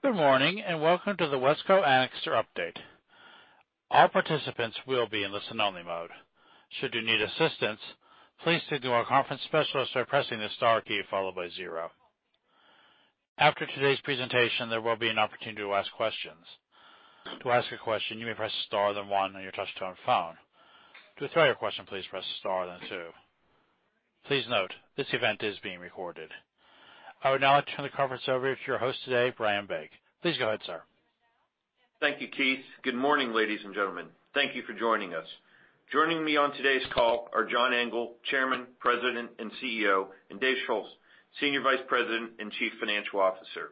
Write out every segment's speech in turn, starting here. Good morning, and welcome to the WESCO-Anixter update. All participants will be in listen only mode. Should you need assistance, please signal our conference specialist by pressing the star key followed by zero. After today's presentation, there will be an opportunity to ask questions. To ask a question, you may press star, then one on your touch-tone phone. To withdraw your question, please press star then two. Please note, this event is being recorded. I would now like to turn the conference over to your host today, Brian Begg. Please go ahead, sir. Thank you, Keith. Good morning, ladies and gentlemen. Thank you for joining us. Joining me on today's call are John Engel, Chairman, President, and Chief Executive Officer, and Dave Schulz, Senior Vice President and Chief Financial Officer.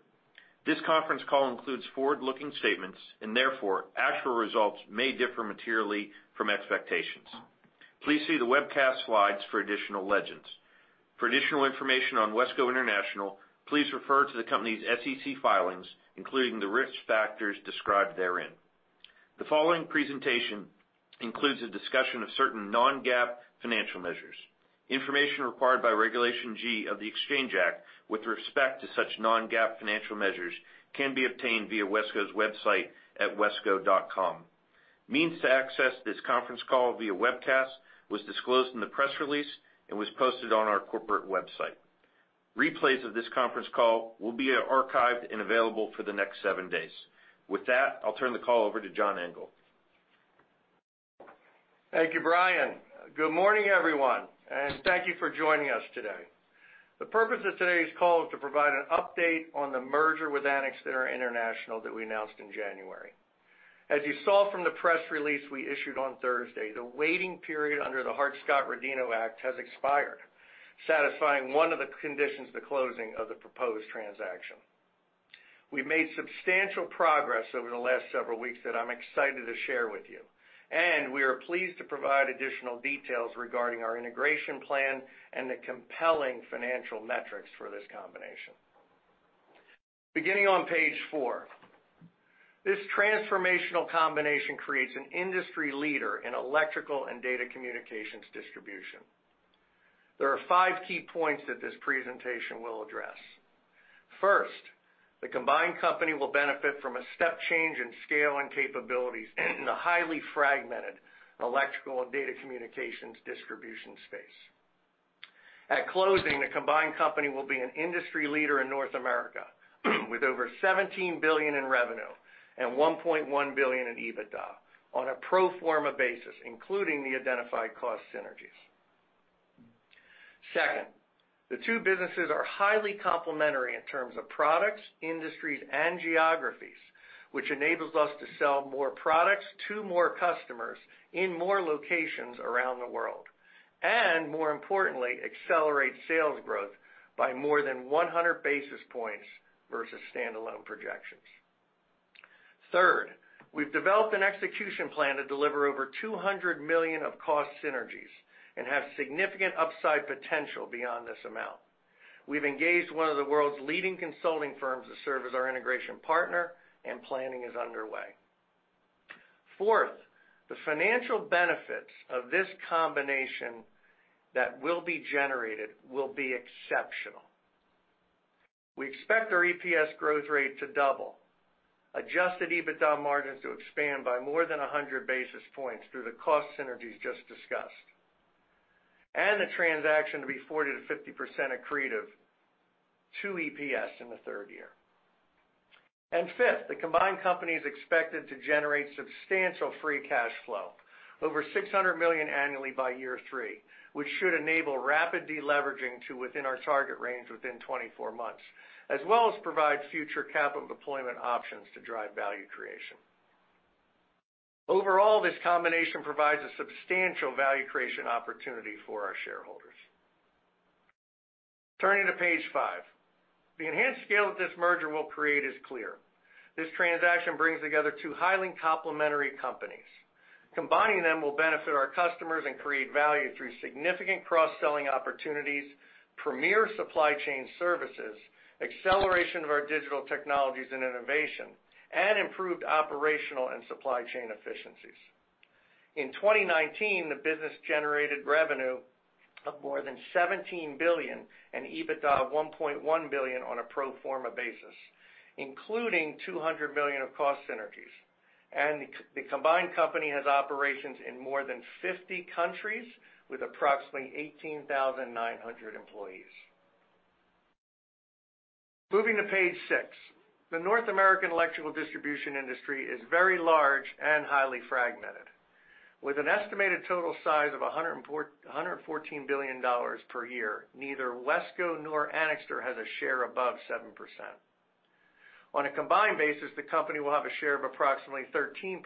This conference call includes forward-looking statements, and therefore, actual results may differ materially from expectations. Please see the webcast slides for additional legends. For additional information on WESCO International, please refer to the company's SEC filings, including the risk factors described therein. The following presentation includes a discussion of certain non-GAAP financial measures. Information required by Regulation G of the Exchange Act with respect to such non-GAAP financial measures can be obtained via WESCO's website at wesco.com. Means to access this conference call via webcast was disclosed in the press release and was posted on our corporate website. Replays of this conference call will be archived and available for the next seven days. With that, I'll turn the call over to John Engel. Thank you, Brian. Good morning, everyone, thank you for joining us today. The purpose of today's call is to provide an update on the merger with Anixter International that we announced in January. As you saw from the press release we issued on Thursday, the waiting period under the Hart-Scott-Rodino Act has expired, satisfying one of the conditions of the closing of the proposed transaction. We've made substantial progress over the last several weeks that I'm excited to share with you, we are pleased to provide additional details regarding our integration plan and the compelling financial metrics for this combination. Beginning on page four. This transformational combination creates an industry leader in electrical and data communications distribution. There are five key points that this presentation will address. First, the combined company will benefit from a step change in scale and capabilities in the highly fragmented electrical and data communications distribution space. At closing, the combined company will be an industry leader in North America with over $17 billion in revenue and $1.1 billion in EBITDA on a pro forma basis, including the identified cost synergies. Second, the two businesses are highly complementary in terms of products, industries, and geographies, which enables us to sell more products to more customers in more locations around the world, and more importantly, accelerate sales growth by more than 100 basis points versus standalone projections. Third, we've developed an execution plan to deliver over $200 million of cost synergies and have significant upside potential beyond this amount. We've engaged one of the world's leading consulting firms to serve as our integration partner, and planning is underway. Fourth, the financial benefits of this combination that will be generated will be exceptional. We expect our EPS growth rate to double, Adjusted EBITDA margins to expand by more than 100 basis points through the cost synergies just discussed, and the transaction to be 40%-50% accretive to EPS in the third year. Fifth, the combined company is expected to generate substantial free cash flow, over $600 million annually by year three, which should enable rapid deleveraging to within our target range within 24 months, as well as provide future capital deployment options to drive value creation. Overall, this combination provides a substantial value creation opportunity for our shareholders. Turning to page five. The enhanced scale that this merger will create is clear. This transaction brings together two highly complementary companies. Combining them will benefit our customers and create value through significant cross-selling opportunities, premier supply chain services, acceleration of our digital technologies and innovation, and improved operational and supply chain efficiencies. In 2019, the business-generated revenue of more than $17 billion and EBITDA of $1.1 billion on a pro forma basis, including $200 million of cost synergies. The combined company has operations in more than 50 countries with approximately 18,900 employees. Moving to page six. The North American electrical distribution industry is very large and highly fragmented. With an estimated total size of $114 billion per year, neither WESCO nor Anixter has a share above 7%. On a combined basis, the company will have a share of approximately 13%.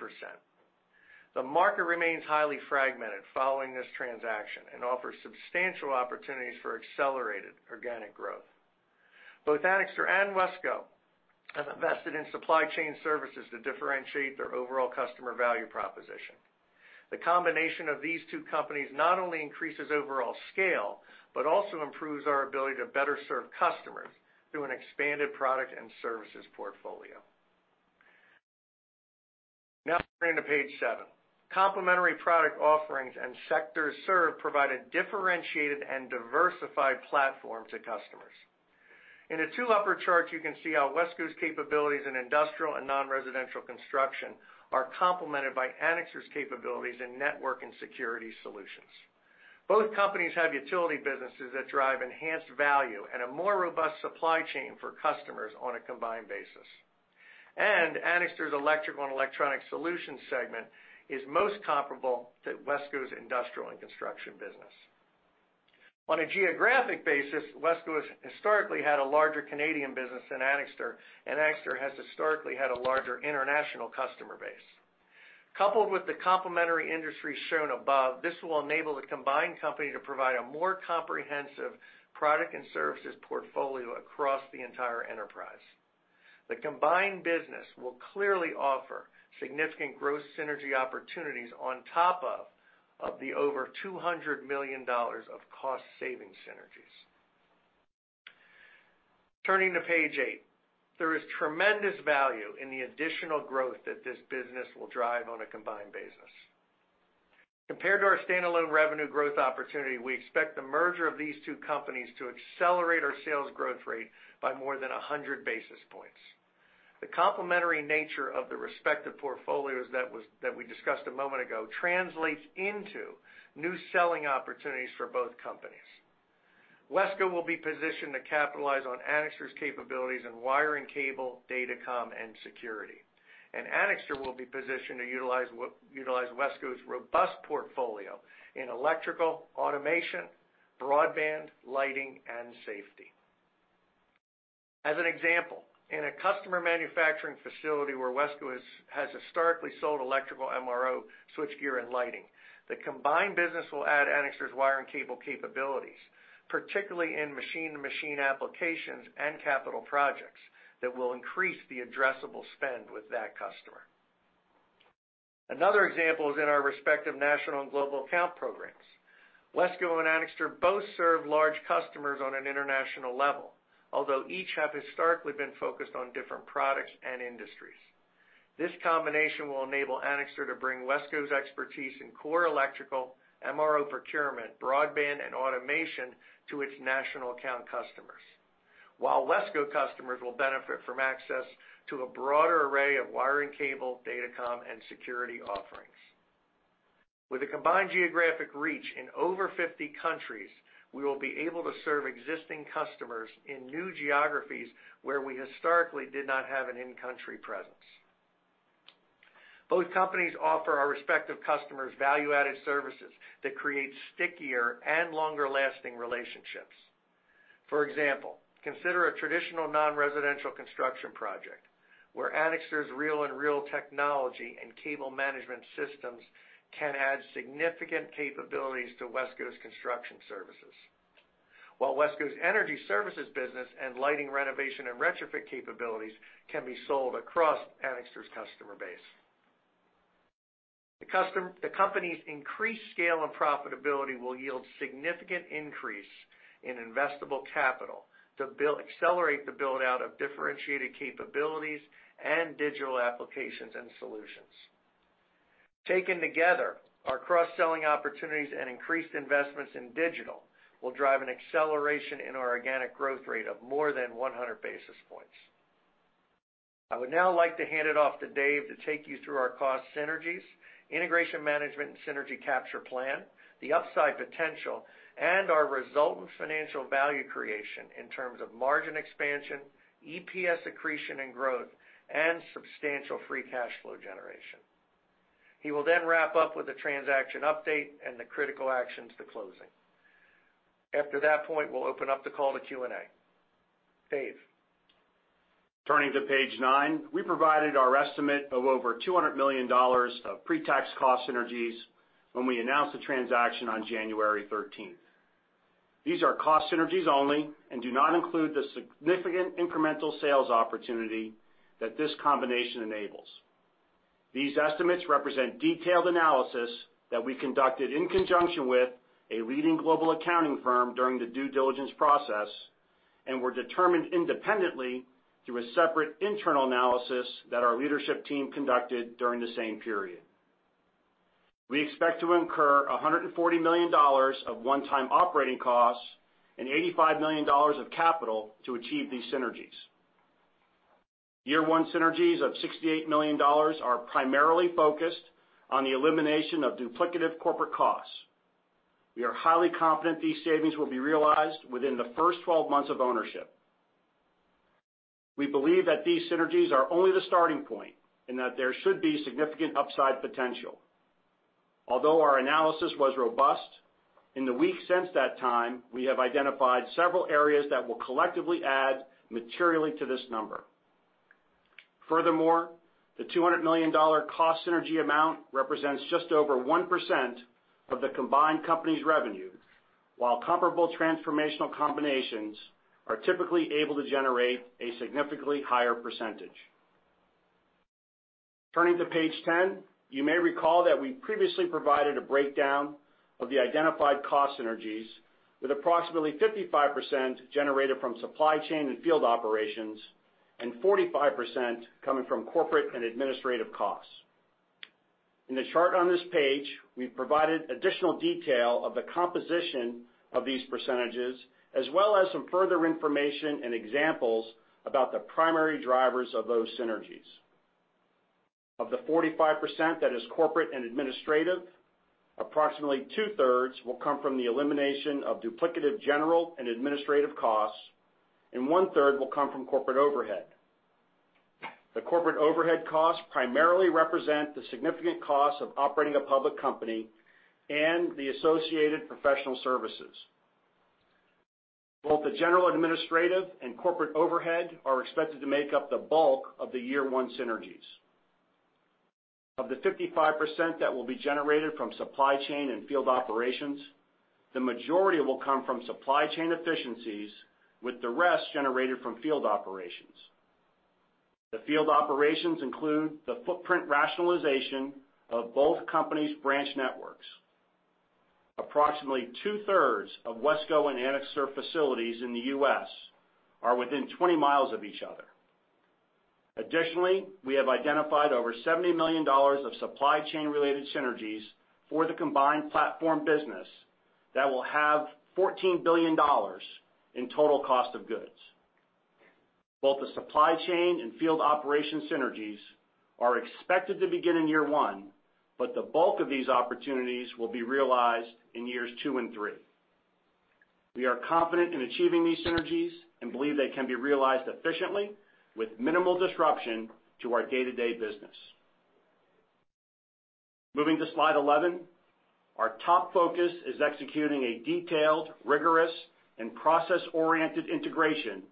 The market remains highly fragmented following this transaction and offers substantial opportunities for accelerated organic growth. Both Anixter and WESCO have invested in supply chain services to differentiate their overall customer value proposition. The combination of these two companies not only increases overall scale, but also improves our ability to better serve customers through an expanded product and services portfolio. Turning to page seven. Complementary product offerings and sectors served provide a differentiated and diversified platform to customers. In the two upper charts, you can see how WESCO's capabilities in industrial and non-residential construction are complemented by Anixter's capabilities in network and security solutions. Both companies have utility businesses that drive enhanced value and a more robust supply chain for customers on a combined basis. Anixter's electrical and electronic solutions segment is most comparable to WESCO's industrial and construction business. On a geographic basis, WESCO has historically had a larger Canadian business than Anixter, and Anixter has historically had a larger international customer base. Coupled with the complementary industries shown above, this will enable the combined company to provide a more comprehensive product and services portfolio across the entire enterprise. The combined business will clearly offer significant growth synergy opportunities on top of the over $200 million of cost-saving synergies. Turning to page eight. There is tremendous value in the additional growth that this business will drive on a combined basis. Compared to our standalone revenue growth opportunity, we expect the merger of these two companies to accelerate our sales growth rate by more than 100 basis points. The complementary nature of the respective portfolios that we discussed a moment ago translates into new selling opportunities for both companies. WESCO will be positioned to capitalize on Anixter's capabilities in wiring, cable, datacom, and security, and Anixter will be positioned to utilize WESCO's robust portfolio in electrical, automation, broadband, lighting, and safety. As an example, in a customer manufacturing facility where WESCO has historically sold electrical MRO, switchgear, and lighting, the combined business will add Anixter's wiring cable capabilities, particularly in machine-to-machine applications and capital projects that will increase the addressable spend with that customer. Another example is in our respective national and global account programs. WESCO and Anixter both serve large customers on an international level, although each have historically been focused on different products and industries. This combination will enable Anixter to bring WESCO's expertise in core electrical, MRO procurement, broadband, and automation to its national account customers. While WESCO customers will benefit from access to a broader array of wiring cable, datacom, and security offerings. With a combined geographic reach in over 50 countries, we will be able to serve existing customers in new geographies where we historically did not have an in-country presence. Both companies offer our respective customers value-added services that create stickier and longer-lasting relationships. For example, consider a traditional non-residential construction project, where Anixter's reel-to-reel technology and cable management systems can add significant capabilities to WESCO's construction services. While WESCO's energy services business and lighting renovation and retrofit capabilities can be sold across Anixter's customer base. The company's increased scale and profitability will yield significant increase in investable capital to accelerate the build-out of differentiated capabilities and digital applications and solutions. Taken together, our cross-selling opportunities and increased investments in digital will drive an acceleration in our organic growth rate of more than 100 basis points. I would now like to hand it off to Dave to take you through our cost synergies, integration management and synergy capture plan, the upside potential, and our resultant financial value creation in terms of margin expansion, EPS accretion and growth, and substantial free cash flow generation. He will then wrap up with a transaction update and the critical actions to closing. After that point, we'll open up the call to Q&A. Dave? Turning to page nine. We provided our estimate of over $200 million of pre-tax cost synergies when we announced the transaction on January 13th. These are cost synergies only and do not include the significant incremental sales opportunity that this combination enables. These estimates represent detailed analysis that we conducted in conjunction with a leading global accounting firm during the due diligence process, and were determined independently through a separate internal analysis that our leadership team conducted during the same period. We expect to incur $140 million of one-time operating costs and $85 million of capital to achieve these synergies. Year one synergies of $68 million are primarily focused on the elimination of duplicative corporate costs. We are highly confident these savings will be realized within the first 12 months of ownership. We believe that these synergies are only the starting point, and that there should be significant upside potential. Although our analysis was robust, in the weeks since that time, we have identified several areas that will collectively add materially to this number. The $200 million cost synergy amount represents just over 1% of the combined company's revenue, while comparable transformational combinations are typically able to generate a significantly higher percentage. Turning to page 10. You may recall that we previously provided a breakdown of the identified cost synergies, with approximately 55% generated from supply chain and field operations, and 45% coming from corporate and administrative costs. In the chart on this page, we've provided additional detail of the composition of these percentages, as well as some further information and examples about the primary drivers of those synergies. Of the 45% that is corporate and administrative, approximately two-thirds will come from the elimination of duplicative general and administrative costs, and one-third will come from corporate overhead. The corporate overhead costs primarily represent the significant cost of operating a public company and the associated professional services. Both the general administrative and corporate overhead are expected to make up the bulk of the year one synergies. Of the 55% that will be generated from supply chain and field operations, the majority will come from supply chain efficiencies with the rest generated from field operations. The field operations include the footprint rationalization of both companies' branch networks. Approximately two-thirds of WESCO and Anixter facilities in the U.S. are within 20 mi of each other. Additionally, we have identified over $70 million of supply chain related synergies for the combined platform business that will have $14 billion in total cost of goods. Both the supply chain and field operation synergies are expected to begin in year one, but the bulk of these opportunities will be realized in years two and three. We are confident in achieving these synergies and believe they can be realized efficiently with minimal disruption to our day-to-day business. Moving to slide 11. Our top focus is executing a detailed, rigorous, and process-oriented integration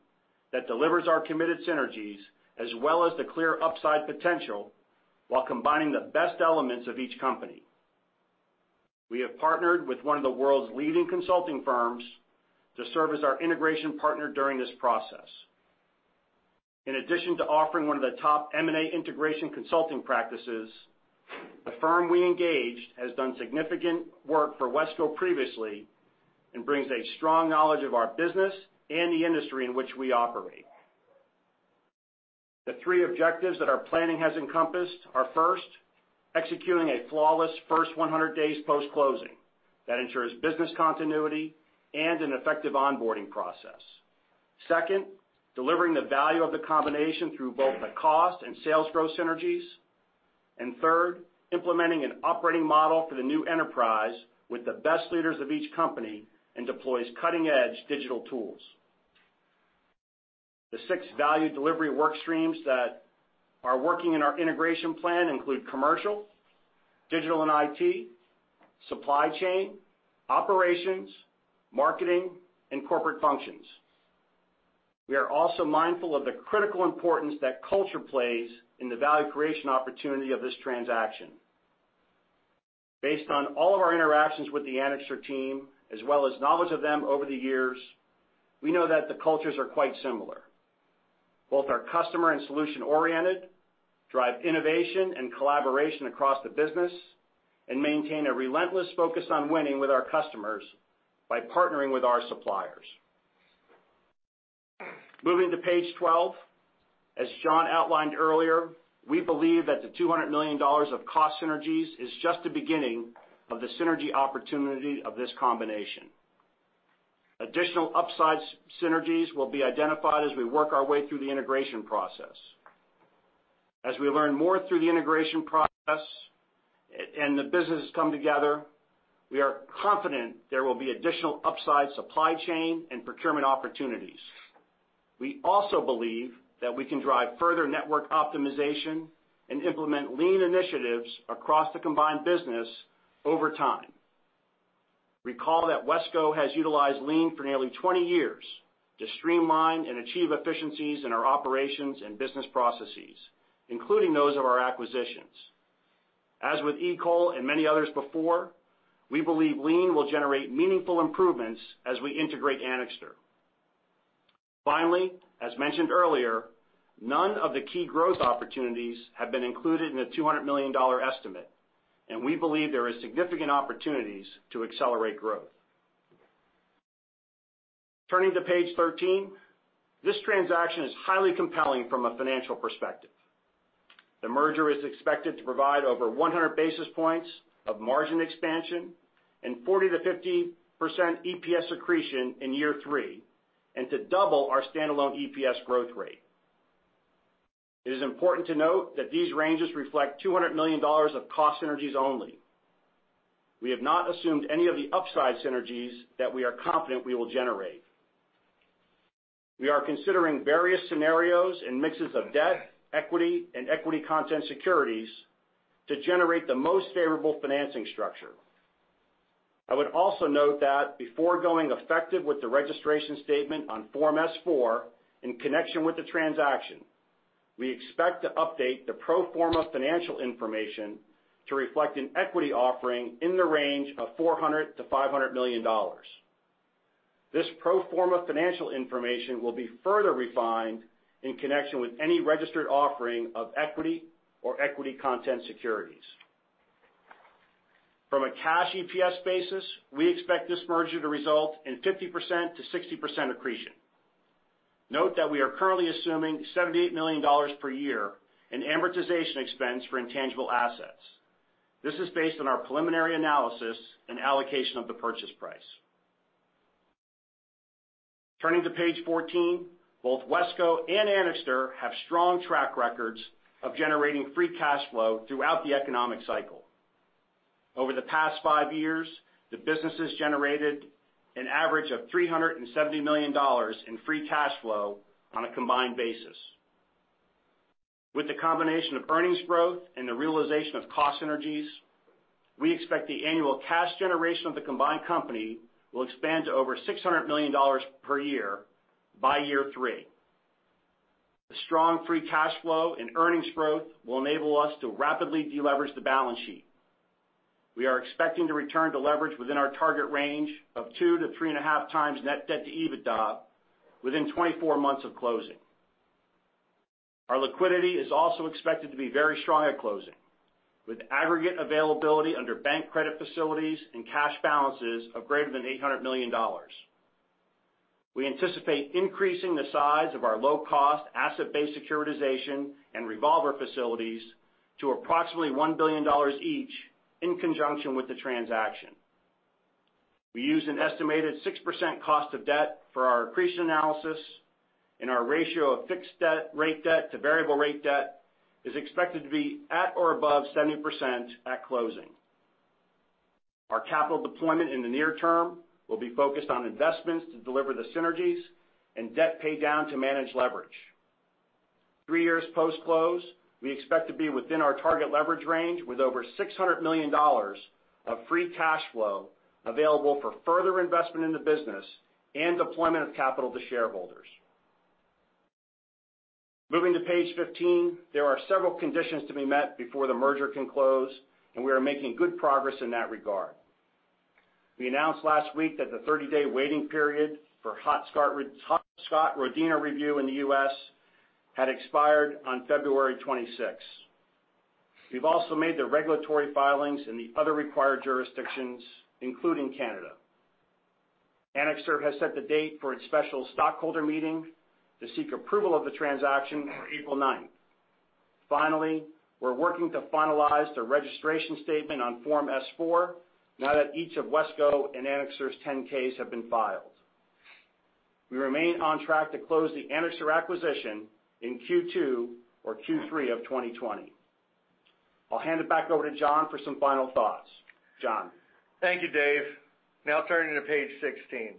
that delivers our committed synergies as well as the clear upside potential while combining the best elements of each company. We have partnered with one of the world's leading consulting firms to serve as our integration partner during this process. In addition to offering one of the top M&A integration consulting practices, the firm we engaged has done significant work for WESCO previously and brings a strong knowledge of our business and the industry in which we operate. The three objectives that our planning has encompassed are, first, executing a flawless first 100 days post-closing that ensures business continuity and an effective onboarding process. Second, delivering the value of the combination through both the cost and sales growth synergies. Third, implementing an operating model for the new enterprise with the best leaders of each company and deploys cutting-edge digital tools. The six value delivery work streams that are working in our integration plan include commercial, digital and IT, supply chain, operations, marketing, and corporate functions. We are also mindful of the critical importance that culture plays in the value creation opportunity of this transaction. Based on all of our interactions with the Anixter team, as well as knowledge of them over the years, we know that the cultures are quite similar. Both are customer and solution-oriented, drive innovation and collaboration across the business, and maintain a relentless focus on winning with our customers by partnering with our suppliers. Moving to page 12. As John outlined earlier, we believe that the $200 million of cost synergies is just the beginning of the synergy opportunity of this combination. Additional upside synergies will be identified as we work our way through the integration process. As we learn more through the integration process and the businesses come together, we are confident there will be additional upside supply chain and procurement opportunities. We also believe that we can drive further network optimization and implement Lean initiatives across the combined business over time. Recall that WESCO has utilized Lean for nearly 20 years to streamline and achieve efficiencies in our operations and business processes, including those of our acquisitions. As with EECOL and many others before, we believe Lean will generate meaningful improvements as we integrate Anixter. As mentioned earlier, none of the key growth opportunities have been included in the $200 million estimate, and we believe there is significant opportunities to accelerate growth. Turning to page 13. This transaction is highly compelling from a financial perspective. The merger is expected to provide over 100 basis points of margin expansion and 40%-50% EPS accretion in year three, and to double our standalone EPS growth rate. It is important to note that these ranges reflect $200 million of cost synergies only. We have not assumed any of the upside synergies that we are confident we will generate. We are considering various scenarios and mixes of debt, equity, and equity content securities to generate the most favorable financing structure. I would also note that before going effective with the registration statement on Form S-4 in connection with the transaction, we expect to update the pro forma financial information to reflect an equity offering in the range of $400 million-$500 million. This pro forma financial information will be further refined in connection with any registered offering of equity or equity content securities. From a cash EPS basis, we expect this merger to result in 50%-60% accretion. Note that we are currently assuming $78 million per year in amortization expense for intangible assets. This is based on our preliminary analysis and allocation of the purchase price. Turning to page 14, both WESCO and Anixter have strong track records of generating free cash flow throughout the economic cycle. Over the past five years, the businesses generated an average of $370 million in free cash flow on a combined basis. With the combination of earnings growth and the realization of cost synergies, we expect the annual cash generation of the combined company will expand to over $600 million per year by year three. The strong free cash flow and earnings growth will enable us to rapidly de-leverage the balance sheet. We are expecting to return to leverage within our target range of 2x-3.5x net debt to EBITDA within 24 months of closing. Our liquidity is also expected to be very strong at closing, with aggregate availability under bank credit facilities and cash balances of greater than $800 million. We anticipate increasing the size of our low-cost asset-based securitization and revolver facilities to approximately $1 billion each in conjunction with the transaction. We use an estimated 6% cost of debt for our accretion analysis. Our ratio of fixed rate debt to variable rate debt is expected to be at or above 70% at closing. Our capital deployment in the near term will be focused on investments to deliver the synergies and debt paydown to manage leverage. Three years post-close, we expect to be within our target leverage range with over $600 million of free cash flow available for further investment in the business and deployment of capital to shareholders. Moving to page 15, there are several conditions to be met before the merger can close, and we are making good progress in that regard. We announced last week that the 30-day waiting period for Hart-Scott-Rodino review in the U.S. had expired on February 26th. We've also made the regulatory filings in the other required jurisdictions, including Canada. Anixter has set the date for its special stockholder meeting to seek approval of the transaction on April 9th. Finally, we're working to finalize the registration statement on Form S-4 now that each of WESCO and Anixter's 10-Ks have been filed. We remain on track to close the Anixter acquisition in Q2 or Q3 of 2020. I'll hand it back over to John for some final thoughts. John? Thank you, Dave. Now turning to page 16.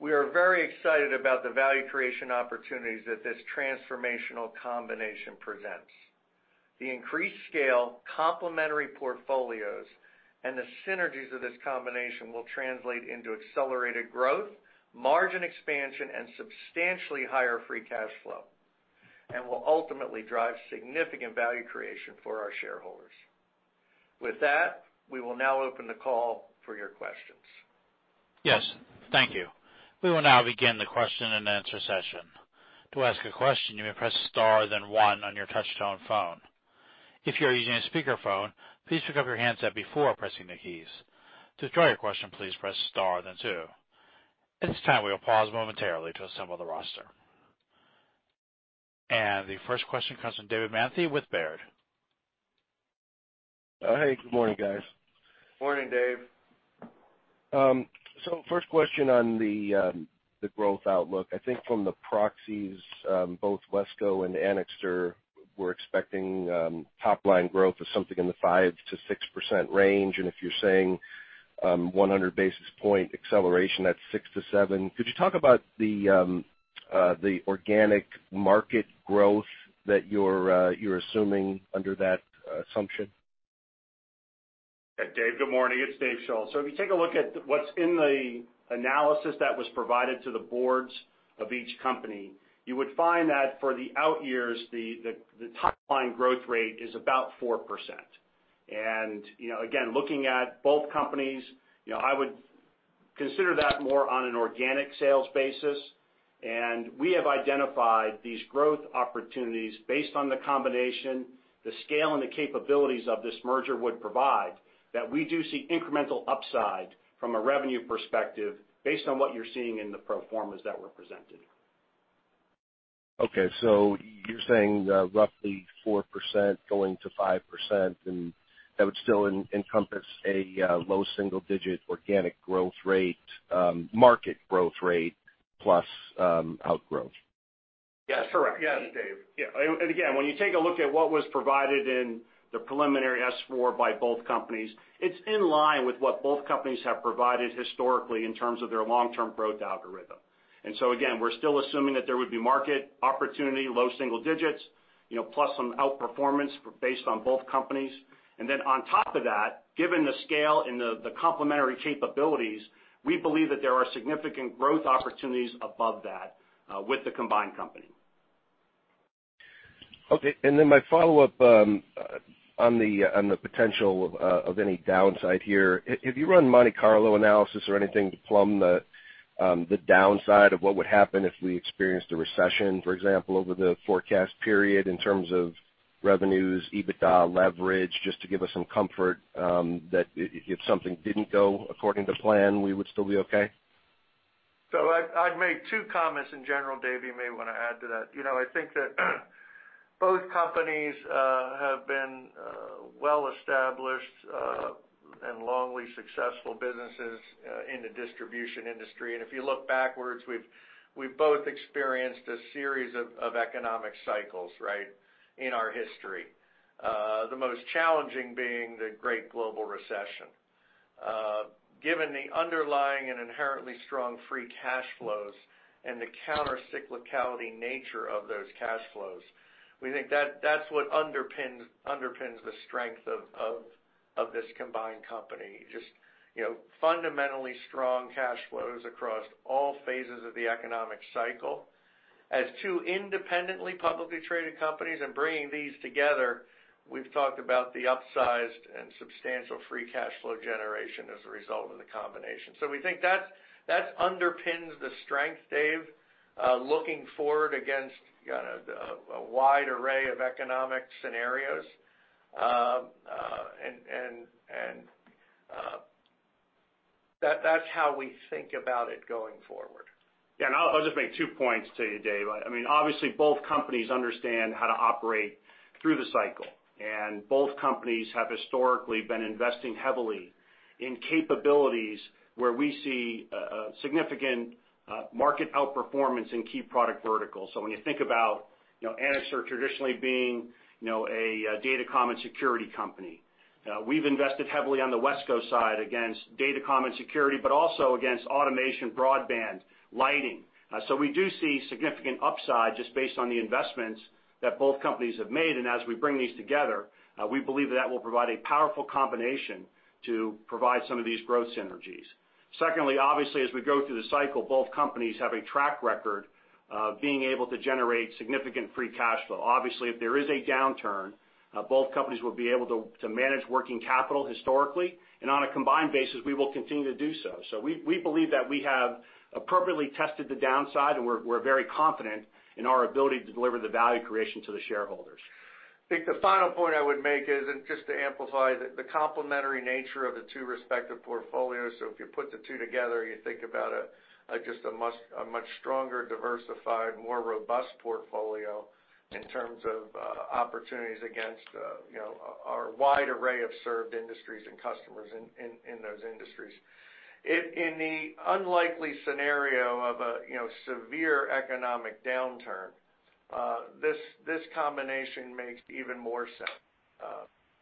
We are very excited about the value creation opportunities that this transformational combination presents. The increased scale, complementary portfolios, and the synergies of this combination will translate into accelerated growth, margin expansion, and substantially higher free cash flow, and will ultimately drive significant value creation for our shareholders. With that, we will now open the call for your questions. Yes. Thank you. We will now begin the question-and-answer session. To ask a question, you may press star then one on your touch-tone phone. If you are using a speakerphone, please pick up your handset before pressing the keys. To withdraw your question, please press star then two. At this time, we will pause momentarily to assemble the roster. The first question comes from David Manthey with Baird. Hey, good morning, guys. Morning, Dave. First question on the growth outlook. I think from the proxies, both WESCO and Anixter were expecting top-line growth of something in the 5%-6% range. If you're saying 100 basis points acceleration, that's 6%-7%. Could you talk about the organic market growth that you're assuming under that assumption? Dave, good morning. It's Dave Schulz. If you take a look at what's in the analysis that was provided to the boards of each company, you would find that for the out years, the top-line growth rate is about 4%. Again, looking at both companies, I would consider that more on an organic sales basis. We have identified these growth opportunities based on the combination, the scale, and the capabilities of this merger would provide that we do see incremental upside from a revenue perspective based on what you're seeing in the pro formas that were presented. Okay. You're saying roughly 4% going to 5%, and that would still encompass a low single-digit organic growth rate, market growth rate plus outgrowth? That's correct. Yes, Dave. Again, when you take a look at what was provided in the preliminary S-4 by both companies, it's in line with what both companies have provided historically in terms of their long-term growth algorithm. Again, we're still assuming that there would be market opportunity, low single digits, plus some outperformance based on both companies. Then on top of that, given the scale and the complementary capabilities, we believe that there are significant growth opportunities above that with the combined company. Okay. My follow-up on the potential of any downside here. Have you run Monte Carlo analysis or anything to plumb the downside of what would happen if we experienced a recession, for example, over the forecast period in terms of revenues, EBITDA, leverage, just to give us some comfort that if something didn't go according to plan, we would still be okay? I'd make two comments in general, Dave, you may want to add to that. I think that both companies have been well established and longly successful businesses in the distribution industry. If you look backwards, we've both experienced a series of economic cycles, right, in our history. The most challenging being the great global recession. Given the underlying and inherently strong free cash flows and the counter-cyclicality nature of those cash flows, we think that's what underpins the strength of this combined company. Just fundamentally strong cash flows across all phases of the economic cycle. As two independently publicly traded companies and bringing these together, we've talked about the upsized and substantial free cash flow generation as a result of the combination. We think that underpins the strength, Dave, looking forward against a wide array of economic scenarios. That's how we think about it going forward. Yeah, and I'll just make two points to you, Dave. Obviously, both companies understand how to operate through the cycle, and both companies have historically been investing heavily in capabilities where we see a significant market outperformance in key product verticals. When you think about Anixter traditionally being a datacom and security company, we've invested heavily on the WESCO side against datacom and security, but also against automation, broadband, lighting. We do see significant upside just based on the investments that both companies have made. As we bring these together, we believe that will provide a powerful combination to provide some of these growth synergies. Secondly, obviously, as we go through the cycle, both companies have a track record of being able to generate significant free cash flow. Obviously, if there is a downturn, both companies will be able to manage working capital historically, and on a combined basis, we will continue to do so. We believe that we have appropriately tested the downside, and we're very confident in our ability to deliver the value creation to the shareholders. I think the final point I would make is, just to amplify, the complementary nature of the two respective portfolios. If you put the two together, you think about just a much stronger, diversified, more robust portfolio in terms of opportunities against our wide array of served industries and customers in those industries. In the unlikely scenario of a severe economic downturn, this combination makes even more sense.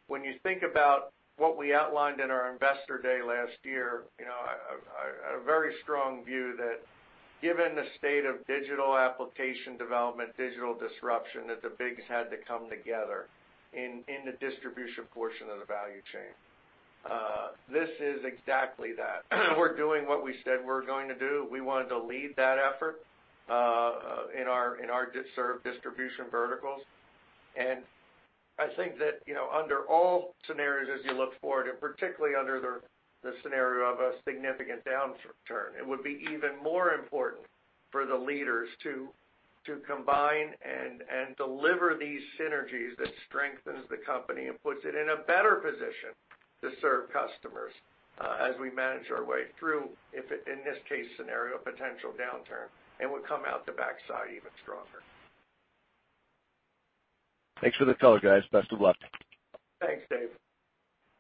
When you think about what we outlined in our investor day last year, a very strong view that given the state of digital application development, digital disruption, that the bigs had to come together in the distribution portion of the value chain. This is exactly that. We're doing what we said we're going to do. We wanted to lead that effort in our distribution verticals. I think that under all scenarios, as you look forward, and particularly under the scenario of a significant downturn, it would be even more important for the leaders to combine and deliver these synergies that strengthens the company and puts it in a better position to serve customers as we manage our way through, if in this case scenario, a potential downturn, and would come out the backside even stronger. Thanks for the color, guys. Best of luck. Thanks, Dave.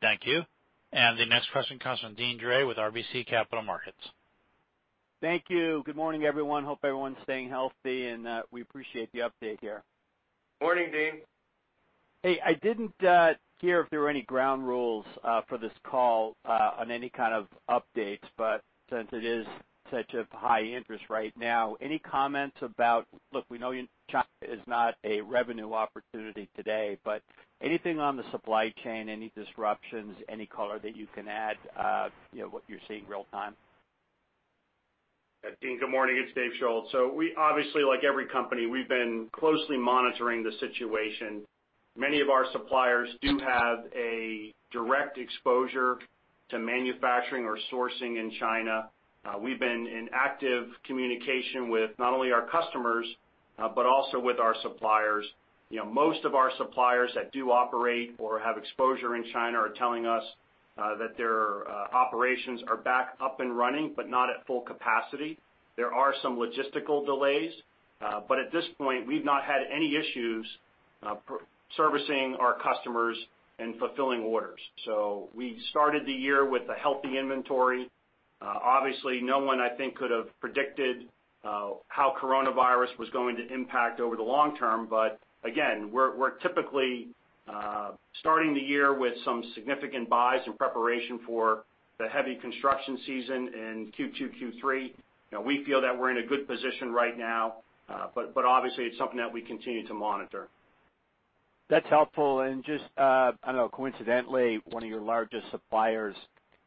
Thank you. The next question comes from Deane Dray with RBC Capital Markets. Thank you. Good morning, everyone. Hope everyone's staying healthy, and we appreciate the update here. Morning, Deane. Hey, I didn't hear if there were any ground rules for this call on any kind of updates, but since it is such of high interest right now, any comments about look, we know China is not a revenue opportunity today, but anything on the supply chain, any disruptions, any color that you can add, what you're seeing real-time? Deane, good morning. It's Dave Schulz. We obviously, like every company, we've been closely monitoring the situation. Many of our suppliers do have a direct exposure to manufacturing or sourcing in China. We've been in active communication with not only our customers, but also with our suppliers. Most of our suppliers that do operate or have exposure in China are telling us that their operations are back up and running, but not at full capacity. There are some logistical delays. At this point, we've not had any issues servicing our customers and fulfilling orders. We started the year with a healthy inventory. Obviously, no one, I think, could have predicted how coronavirus was going to impact over the long term. Again, we're typically starting the year with some significant buys in preparation for the heavy construction season in Q2, Q3. We feel that we're in a good position right now. Obviously, it's something that we continue to monitor. That's helpful. Just, I don't know, coincidentally, one of your largest suppliers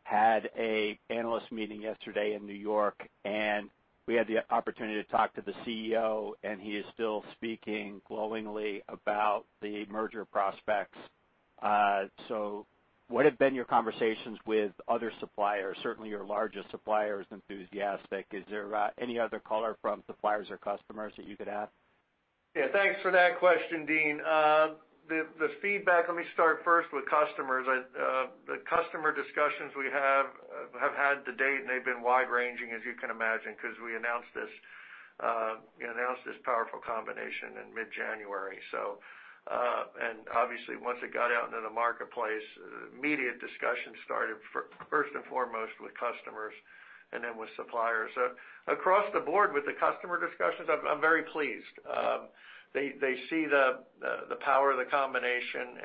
had an analyst meeting yesterday in New York, and we had the opportunity to talk to the Chief Executive Officer, and he is still speaking glowingly about the merger prospects. What have been your conversations with other suppliers? Certainly, your largest supplier is enthusiastic. Is there any other color from suppliers or customers that you could add? Yeah. Thanks for that question, Deane. The feedback, let me start first with customers. The customer discussions we have had to date, they've been wide-ranging, as you can imagine, because we announced this powerful combination in mid-January. Obviously once it got out into the marketplace, immediate discussions started first and foremost with customers and then with suppliers. Across the board with the customer discussions, I'm very pleased. They see the power of the combination,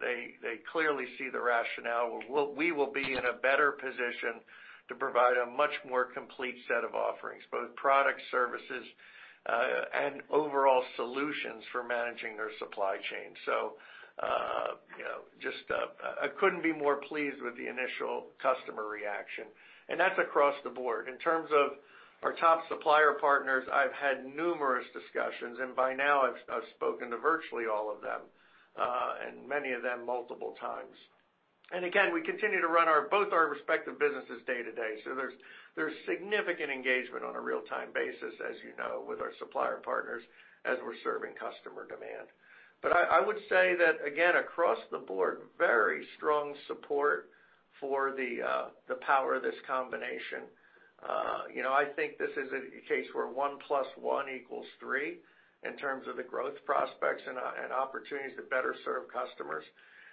they clearly see the rationale. We will be in a better position to provide a much more complete set of offerings, both product services, and overall solutions for managing their supply chain. I couldn't be more pleased with the initial customer reaction, that's across the board. In terms of our top supplier partners, I've had numerous discussions, and by now I've spoken to virtually all of them, and many of them multiple times. Again, we continue to run both our respective businesses day to day. There's significant engagement on a real-time basis, as you know, with our supplier partners as we're serving customer demand. I would say that, again, across the board, very strong support for the power of this combination. I think this is a case where 1 + 1 = 3 in terms of the growth prospects and opportunities to better serve customers.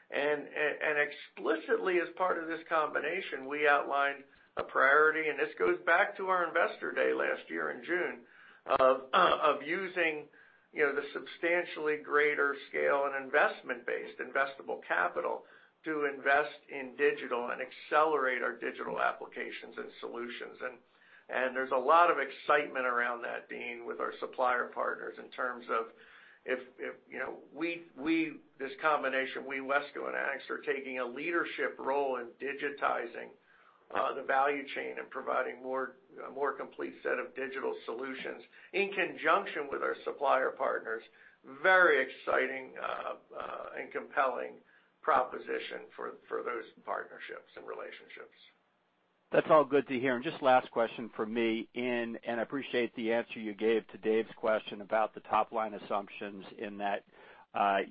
Explicitly as part of this combination, we outlined a priority, and this goes back to our investor day last year in June, of using the substantially greater scale and investment-based investable capital to invest in digital and accelerate our digital applications and solutions. There's a lot of excitement around that, Deane, with our supplier partners in terms of this combination, we, WESCO and Anixter, are taking a leadership role in digitizing the value chain and providing a more complete set of digital solutions in conjunction with our supplier partners. Very exciting and compelling proposition for those partnerships and relationships. That's all good to hear. Just last question from me, and I appreciate the answer you gave to Dave's question about the top-line assumptions in that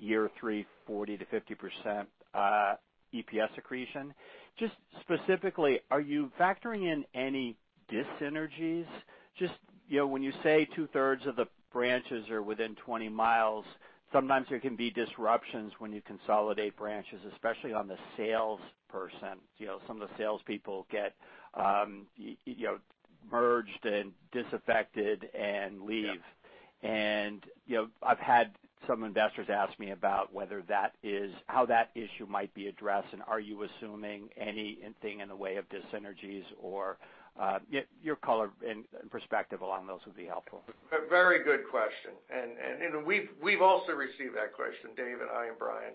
year three 40%-50% EPS accretion. Just specifically, are you factoring in any dyssynergies? Just when you say two-thirds of the branches are within 20 mi, sometimes there can be disruptions when you consolidate branches, especially on the salesperson. Some of the salespeople get merged and disaffected and leave. Yeah. I've had some investors ask me about how that issue might be addressed, and are you assuming anything in the way of dyssynergies? Your color and perspective along those would be helpful. A very good question, and we've also received that question, Dave, and I, and Brian,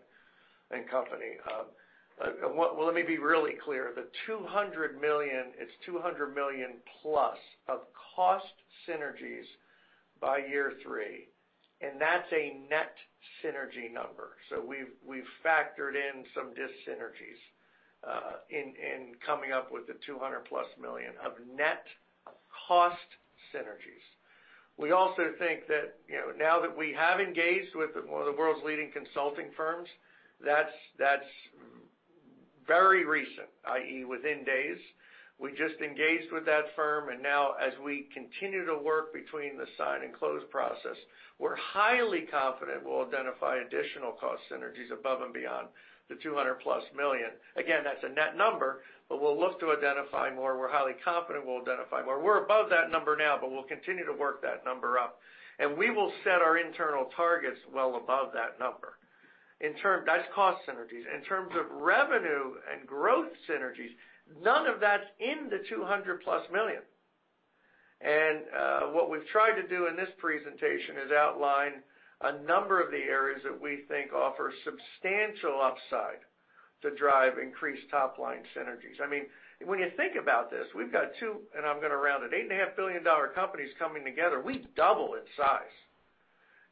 and company. Let me be really clear. The $200 million, it's $200+ million of cost synergies by year three, and that's a net synergy number. We've factored in some dyssynergies in coming up with the $200+ million of net cost synergies. We also think that now that we have engaged with one of the world's leading consulting firms, that's very recent, i.e., within days. We just engaged with that firm, and now as we continue to work between the sign and close process, we're highly confident we'll identify additional cost synergies above and beyond the $200+ million. Again, that's a net number, but we'll look to identify more. We're highly confident we'll identify more. We're above that number now, but we'll continue to work that number up. We will set our internal targets well above that number. That's cost synergies. In terms of revenue and growth synergies, none of that's in the $200+ million. What we've tried to do in this presentation is outline a number of the areas that we think offer substantial upside to drive increased top-line synergies. When you think about this, we've got two, and I'm going to round it, $8.5 billion companies coming together. We double in size.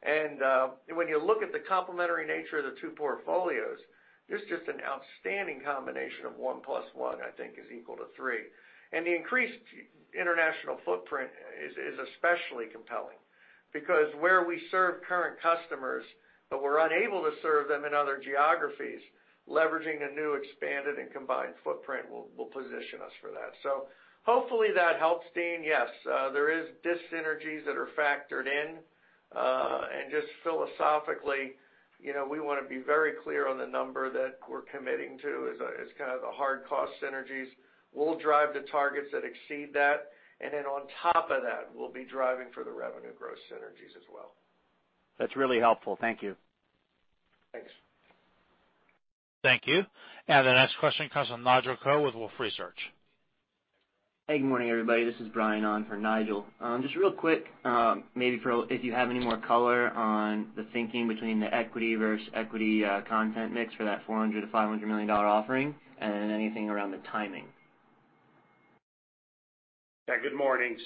When you look at the complementary nature of the two portfolios, there's just an outstanding combination of one plus one, I think, is equal to three. The increased international footprint is especially compelling because where we serve current customers, but we're unable to serve them in other geographies, leveraging a new expanded and combined footprint will position us for that. Hopefully that helps, Deane. Yes, there is dyssynergies that are factored in. Just philosophically, we want to be very clear on the number that we're committing to as kind of the hard cost synergies. We'll drive to targets that exceed that. Then on top of that, we'll be driving for the revenue growth synergies as well. That's really helpful. Thank you. Thanks. Thank you. The next question comes from Nigel Coe with Wolfe Research. Hey, good morning, everybody. This is Brian on for Nigel. Just real quick, maybe if you have any more color on the thinking between the equity versus equity content mix for that $400 million-$500 million offering and anything around the timing? Yeah, good morning.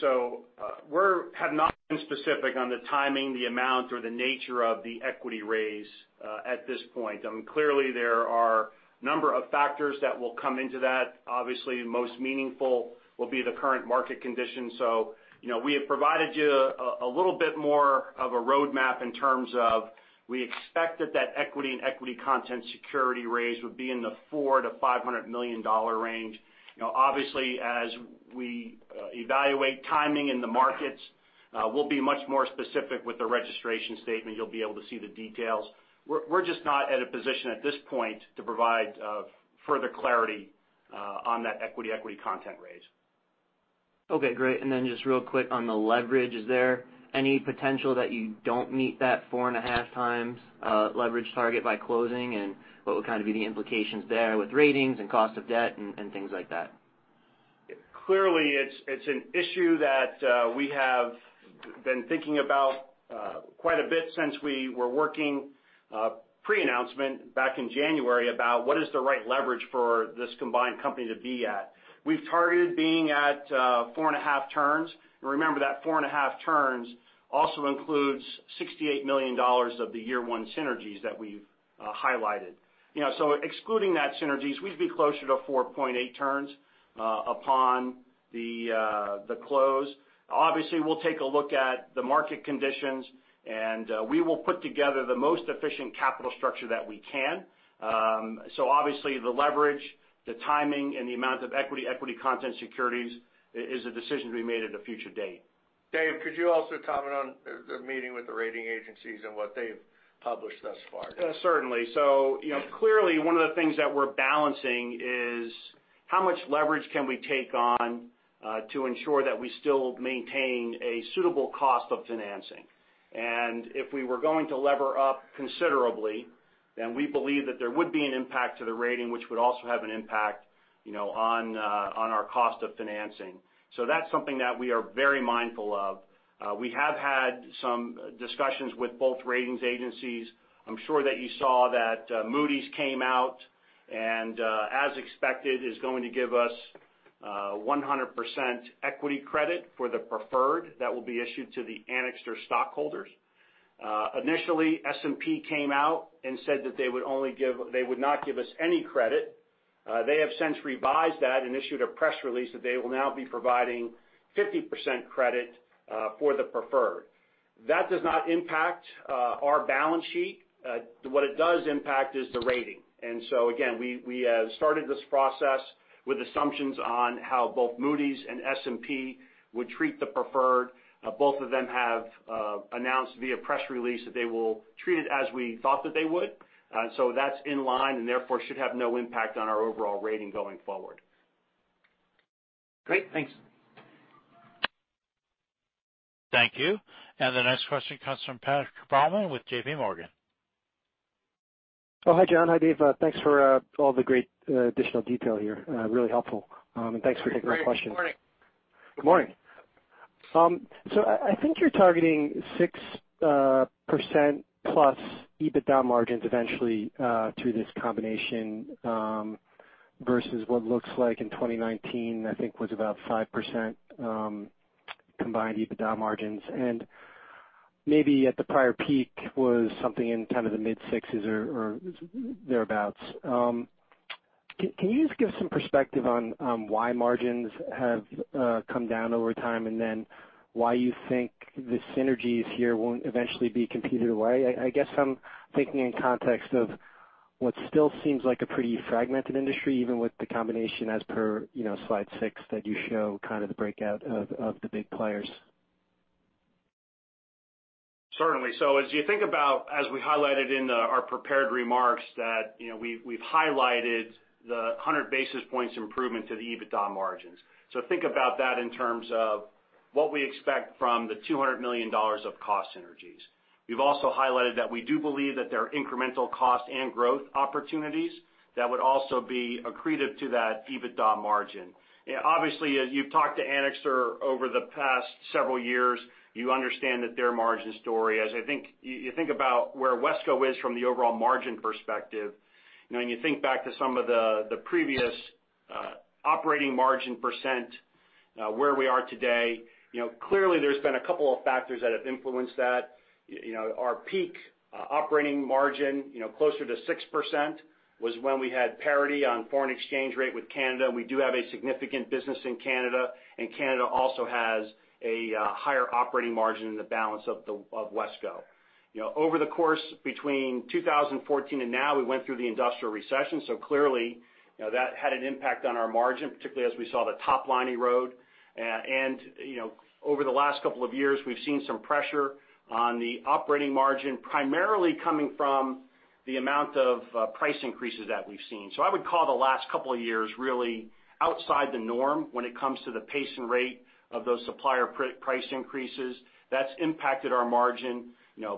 We have not been specific on the timing, the amount, or the nature of the equity raise at this point. Clearly, there are number of factors that will come into that. Obviously, most meaningful will be the current market conditions. We have provided you a little bit more of a roadmap in terms of, we expect that that equity and equity content security raise would be in the $400 million-$500 million range. Obviously, as we evaluate timing in the markets, we'll be much more specific with the registration statement. You'll be able to see the details. We're just not at a position at this point to provide further clarity on that equity content raise. Okay, great. Just real quick on the leverage. Is there any potential that you don't meet that 4.5 times leverage target by closing? What would be the implications there with ratings and cost of debt and things like that? Clearly, it's an issue that we have been thinking about quite a bit since we were working pre-announcement back in January about what is the right leverage for this combined company to be at. We've targeted being at four and a half turns, remember that four and a half turns also includes $68 million of the year one synergies that we've highlighted. Excluding that synergies, we'd be closer to 4.8 turns upon the close. Obviously, we'll take a look at the market conditions, and we will put together the most efficient capital structure that we can. Obviously, the leverage, the timing, and the amount of equity content securities is a decision to be made at a future date. Dave, could you also comment on the meeting with the rating agencies and what they've published thus far? Certainly. Clearly, one of the things that we're balancing is how much leverage can we take on to ensure that we still maintain a suitable cost of financing. If we were going to lever up considerably, we believe that there would be an impact to the rating, which would also have an impact on our cost of financing. That's something that we are very mindful of. We have had some discussions with both ratings agencies. I'm sure that you saw that Moody's came out, and as expected, is going to give us 100% equity credit for the preferred that will be issued to the Anixter stockholders. Initially, S&P came out said that they would not give us any credit. They have since revised that issued a press release that they will now be providing 50% credit for the preferred. That does not impact our balance sheet. What it does impact is the rating. Again, we started this process with assumptions on how both Moody's and S&P would treat the preferred. Both of them have announced via press release that they will treat it as we thought that they would. That's in line and therefore should have no impact on our overall rating going forward. Great. Thanks. Thank you. The next question comes from Patrick Baumann with JPMorgan. Hi, John. Hi, Dave. Thanks for all the great additional detail here. Really helpful. Thanks for taking the question. Good morning. Good morning. I think you're targeting 6%+ EBITDA margins eventually to this combination, versus what looks like in 2019, I think was about 5% combined EBITDA margins. Maybe at the prior peak was something in kind of the mid-sixes or thereabouts. Can you just give some perspective on why margins have come down over time, and then why you think the synergies here won't eventually be competed away? I guess I'm thinking in context of what still seems like a pretty fragmented industry, even with the combination as per slide six that you show kind of the breakout of the big players. Certainly. As we highlighted in our prepared remarks that we've highlighted the 100 basis points improvement to the EBITDA margins. Think about that in terms of what we expect from the $200 million of cost synergies. We've also highlighted that we do believe that there are incremental cost and growth opportunities that would also be accretive to that EBITDA margin. Obviously, as you've talked to Anixter over the past several years, you understand that their margin story, as you think about where WESCO is from the overall margin perspective, when you think back to some of the previous operating margin percent, where we are today, clearly there's been a couple of factors that have influenced that. Our peak operating margin, closer to 6%, was when we had parity on foreign exchange rate with Canada. We do have a significant business in Canada, and Canada also has a higher operating margin in the balance of WESCO. Over the course between 2014 and now, we went through the industrial recession, so clearly, that had an impact on our margin, particularly as we saw the top line erode. Over the last couple of years, we've seen some pressure on the operating margin, primarily coming from the amount of price increases that we've seen. I would call the last couple of years really outside the norm when it comes to the pace and rate of those supplier price increases. That's impacted our margin.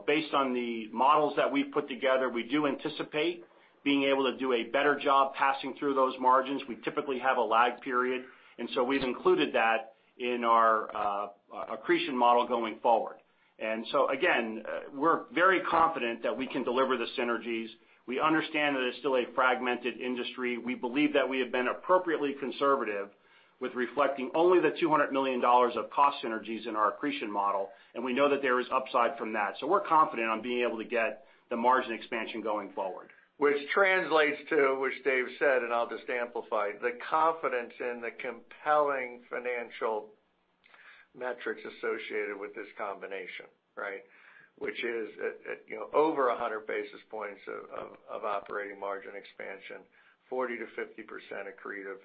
Based on the models that we've put together, we do anticipate being able to do a better job passing through those margins. We typically have a lag period, and so we've included that in our accretion model going forward. Again, we're very confident that we can deliver the synergies. We understand that it's still a fragmented industry. We believe that we have been appropriately conservative with reflecting only the $200 million of cost synergies in our accretion model, and we know that there is upside from that. We're confident on being able to get the margin expansion going forward. Which translates to which Dave said, and I'll just amplify, the confidence in the compelling financial metrics associated with this combination. Which is over 100 basis points of operating margin expansion, 40%-50% accretive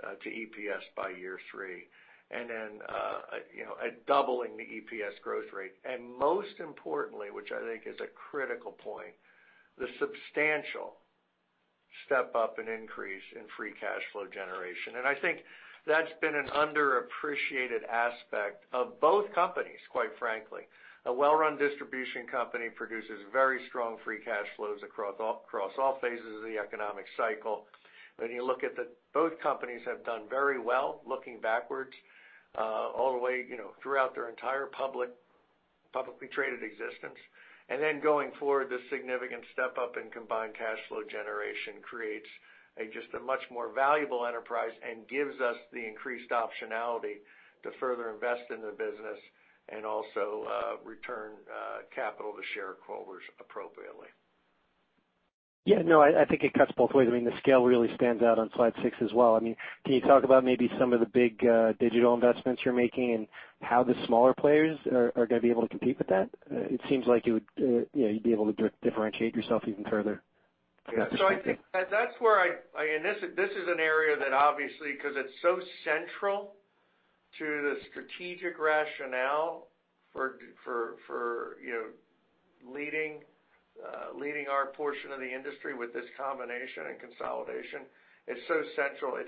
to EPS by year three. Doubling the EPS growth rate. Most importantly, which I think is a critical point, the substantial step up and increase in free cash flow generation. I think that's been an underappreciated aspect of both companies, quite frankly. A well-run distribution company produces very strong free cash flows across all phases of the economic cycle. When you look at both companies have done very well, looking backwards, all the way throughout their entire publicly traded existence. Going forward, the significant step up in combined cash flow generation creates just a much more valuable enterprise and gives us the increased optionality to further invest in the business and also return capital to shareholders appropriately. Yeah. No, I think it cuts both ways. I mean, the scale really stands out on slide six as well. Can you talk about maybe some of the big digital investments you're making and how the smaller players are going to be able to compete with that? It seems like you'd be able to differentiate yourself even further from that perspective. This is an area that obviously, because it's so central to the strategic rationale for leading our portion of the industry with this combination and consolidation, it's so central.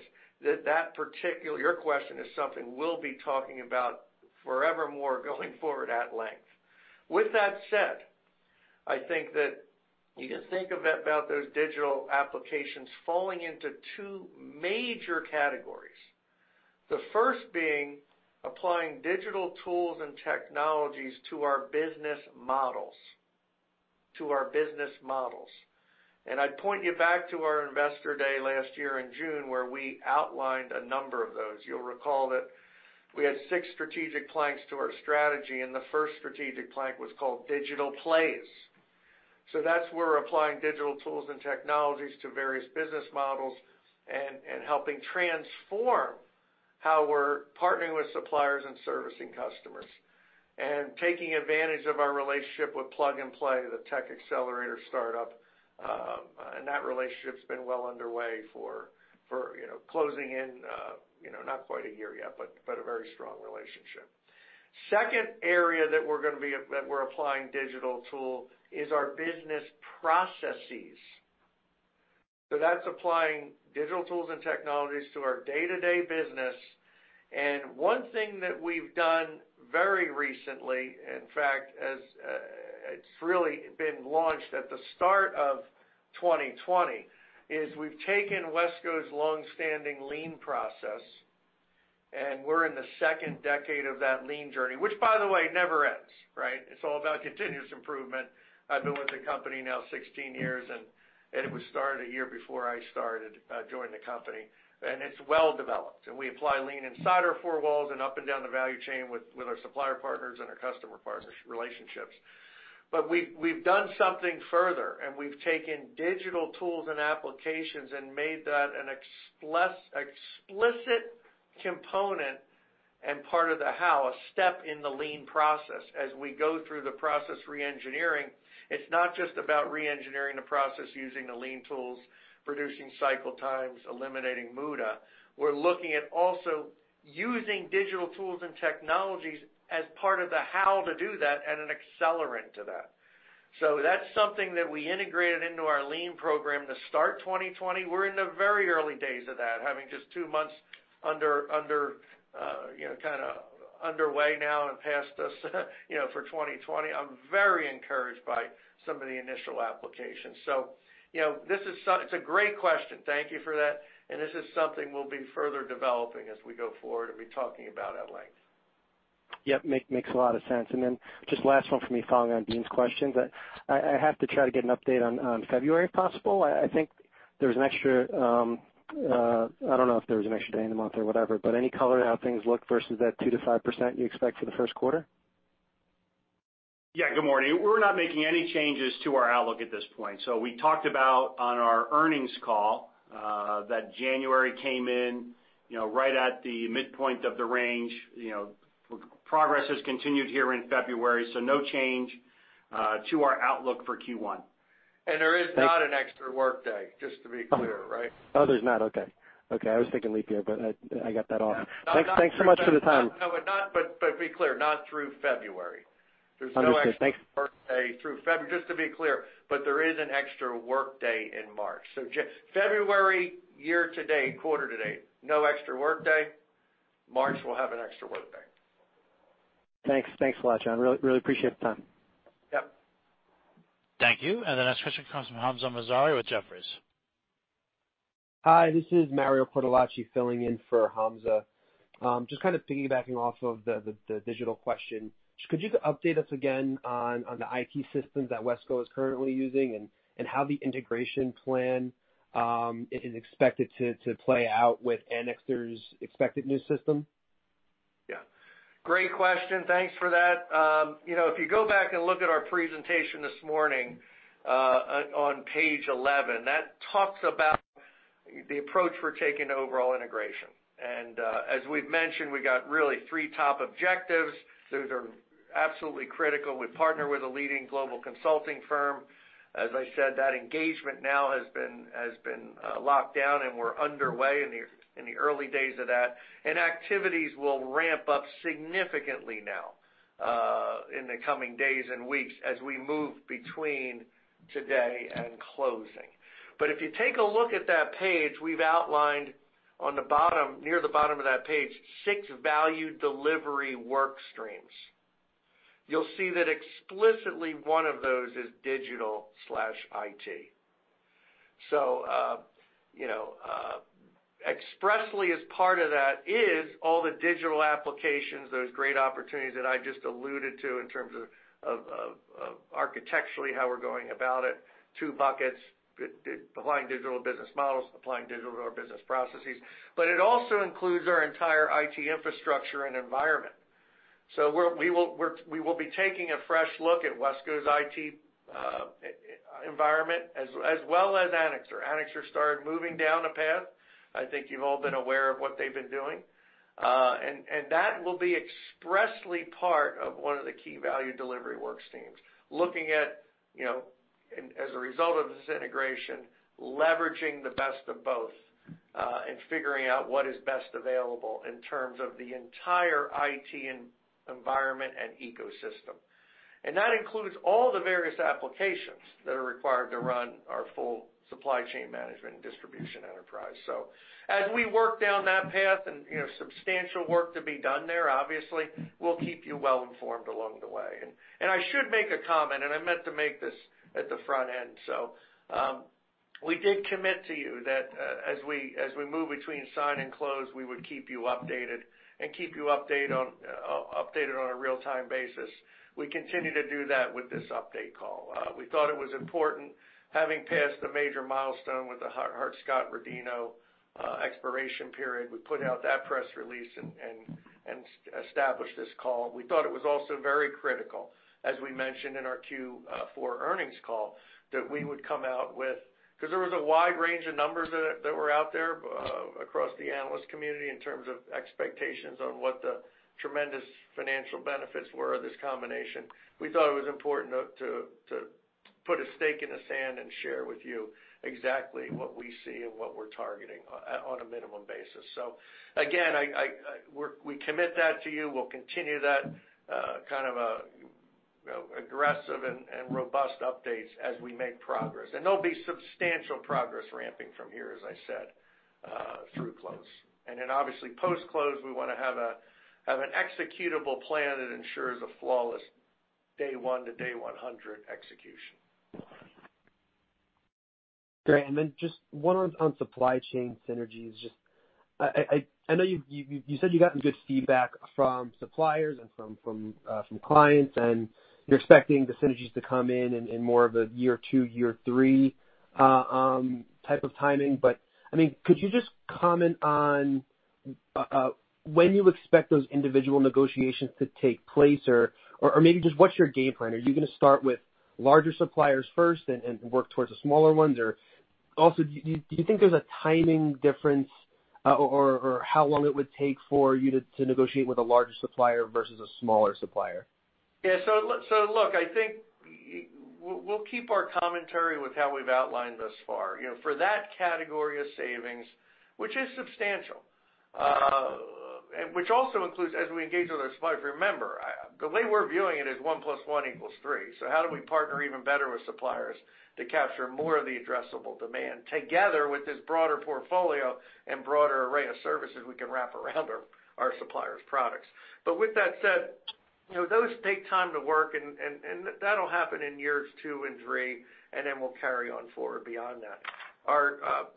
Your question is something we'll be talking about forevermore going forward at length. With that said, I think that you can think about those digital applications falling into two major categories. The first being applying digital tools and technologies to our business models. I'd point you back to our investor day last year in June, where we outlined a number of those. You'll recall that we had six strategic planks to our strategy, and the first strategic plank was called Digital Plays. That's where we're applying digital tools and technologies to various business models and helping transform how we're partnering with suppliers and servicing customers. Taking advantage of our relationship with Plug and Play, the tech accelerator startup, that relationship's been well underway for closing in, not quite a year yet, but a very strong relationship. Second area that we're applying digital tool is our business processes. That's applying digital tools and technologies to our day-to-day business. One thing that we've done very recently, in fact, it's really been launched at the start of 2020, is we've taken WESCO's long-standing Lean Process, and we're in the second decade of that Lean journey, which, by the way, never ends. It's all about continuous improvement. I've been with the company now 16 years, and it was started a year before I joined the company. It's well developed. We apply Lean inside our four walls and up and down the value chain with our supplier partners and our customer relationships. We've done something further, and we've taken digital tools and applications and made that an explicit component and part of the how, a step in the Lean Process. As we go through the process re-engineering, it's not just about re-engineering the process using the Lean tools, reducing cycle times, eliminating Muda. We're looking at also using digital tools and technologies as part of the how to do that and an accelerant to that. That's something that we integrated into our Lean program to start 2020. We're in the very early days of that, having just two months kind of underway now and past us for 2020. I'm very encouraged by some of the initial applications. It's a great question. Thank you for that. This is something we'll be further developing as we go forward and be talking about at length. Yep, makes a lot of sense. Just last one for me, following on Deane's question. I have to try to get an update on February, if possible. I think I don't know if there was an extra day in the month or whatever, but any color on how things look versus that 2%-5% you expect for the first quarter? Yeah, good morning. We're not making any changes to our outlook at this point. We talked about on our earnings call that January came in right at the midpoint of the range. Progress has continued here in February. No change to our outlook for Q1. There is not an extra work day, just to be clear, right? There's not. Okay. I was thinking leap year, but I got that off. Thanks so much for the time. Be clear, not through February. There's no extra work day through February, just to be clear, but there is an extra work day in March. February, year-to-date, quarter-to-date, no extra work day. March, we'll have an extra work day. Thanks. Thanks a lot, John. Really appreciate the time. Yep. Thank you. The next question comes from Hamzah Mazari with Jefferies. Hi, this is Mario Cortellacci filling in for Hamzah. Just piggybacking off of the digital question. Could you update us again on the IT systems that WESCO is currently using and how the integration plan is expected to play out with Anixter's expected new system? Yeah. Great question. Thanks for that. If you go back and look at our presentation this morning, on page 11, that talks about the approach we're taking to overall integration. As we've mentioned, we got really three top objectives. Those are absolutely critical. We partner with a leading global consulting firm. As I said, that engagement now has been locked down and we're underway in the early days of that, activities will ramp up significantly now, in the coming days and weeks as we move between today and closing. If you take a look at that page, we've outlined on the bottom, near the bottom of that page, six value delivery work streams. You'll see that explicitly one of those is digital/IT. Expressly as part of that is all the digital applications, those great opportunities that I just alluded to in terms of architecturally how we're going about it, two buckets, applying digital to business models, applying digital to our business processes. It also includes our entire IT infrastructure and environment. We will be taking a fresh look at WESCO's IT environment as well as Anixter. Anixter started moving down a path. I think you've all been aware of what they've been doing. That will be expressly part of one of the key value delivery work streams. Looking at, as a result of this integration, leveraging the best of both, and figuring out what is best available in terms of the entire IT environment and ecosystem. That includes all the various applications that are required to run our full supply chain management and distribution enterprise. As we work down that path and substantial work to be done there, obviously, we'll keep you well informed along the way. I should make a comment, and I meant to make this at the front end. We did commit to you that as we move between sign and close, we would keep you updated and keep you updated on a real-time basis. We continue to do that with this update call. We thought it was important having passed a major milestone with the Hart-Scott-Rodino expiration period. We put out that press release and established this call. We thought it was also very critical, as we mentioned in our Q4 earnings call, because there was a wide range of numbers that were out there across the analyst community in terms of expectations on what the tremendous financial benefits were of this combination. We thought it was important to put a stake in the sand and share with you exactly what we see and what we're targeting on a minimum basis. Again, we commit that to you. We'll continue that kind of aggressive and robust updates as we make progress. There'll be substantial progress ramping from here, as I said, through close. Obviously post-close, we want to have an executable plan that ensures a flawless day one to day 100 execution. Great. Just one on supply chain synergies. Just I know you said you've gotten good feedback from suppliers and from clients, and you're expecting the synergies to come in in more of a year two, year three, type of timing. Could you just comment on when you expect those individual negotiations to take place? Maybe just what's your game plan? Are you going to start with larger suppliers first and work towards the smaller ones? Do you think there's a timing difference, or how long it would take for you to negotiate with a larger supplier versus a smaller supplier? Look, I think we'll keep our commentary with how we've outlined thus far. For that category of savings, which is substantial, and which also includes, as we engage with our suppliers, remember, the way we're viewing it is 1 + 1 = 3. How do we partner even better with suppliers to capture more of the addressable demand together with this broader portfolio and broader array of services we can wrap around our suppliers' products. With that said, those take time to work and that'll happen in years two and three, and then we'll carry on forward beyond that.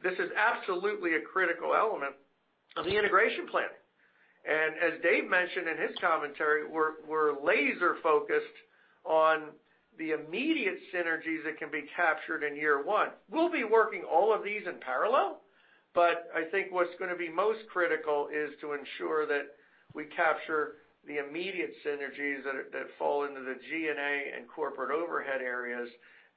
This is absolutely a critical element of the integration plan. As Dave mentioned in his commentary, we're laser-focused on the immediate synergies that can be captured in year one. We'll be working all of these in parallel, I think what's going to be most critical is to ensure that we capture the immediate synergies that fall into the G&A and corporate overhead areas.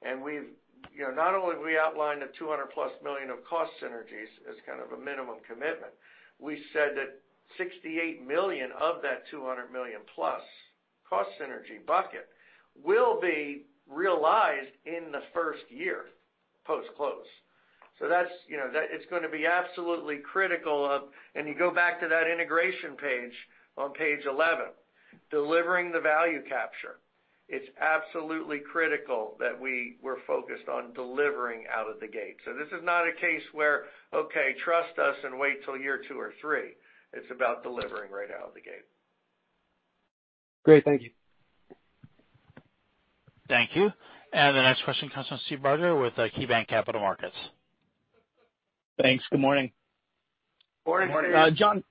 Not only have we outlined a $200+ million of cost synergies as kind of a minimum commitment, we said that $68 million of that $200+ million cost synergy bucket will be realized in the first year post-close. It's going to be absolutely critical of, and you go back to that integration page on page 11, delivering the value capture. It's absolutely critical that we're focused on delivering out of the gate. This is not a case where, okay, trust us and wait till year two or three. It's about delivering right out of the gate. Great. Thank you. Thank you. The next question comes from Steve Barger with KeyBanc Capital Markets. Thanks. Good morning. Morning, Steve. John,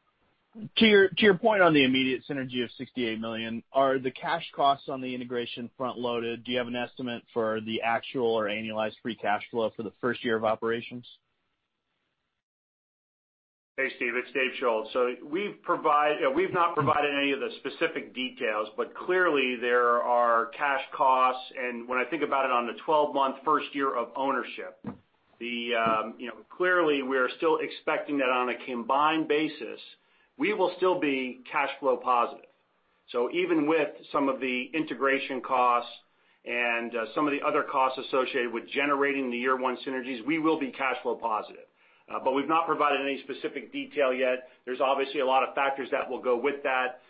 to your point on the immediate synergy of $68 million, are the cash costs on the integration front-loaded? Do you have an estimate for the actual or annualized free cash flow for the first year of operations? Hey, Steve. It's Dave Schulz. We've not provided any of the specific details, but clearly there are cash costs. When I think about it on the 12-month first year of ownership, clearly we are still expecting that on a combined basis, we will still be cash flow positive. Even with some of the integration costs and some of the other costs associated with generating the year one synergies, we will be cash flow positive. We've not provided any specific detail yet. There's obviously a lot of factors that will go with that,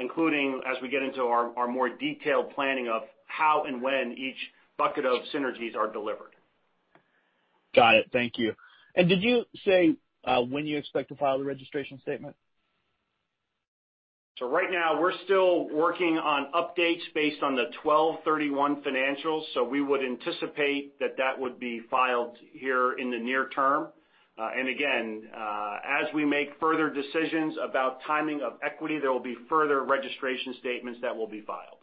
including as we get into our more detailed planning of how and when each bucket of synergies are delivered. Got it. Thank you. Did you say when you expect to file the registration statement? Right now, we're still working on updates based on the 12/31 financials. We would anticipate that that would be filed here in the near term. Again, as we make further decisions about timing of equity, there will be further registration statements that will be filed.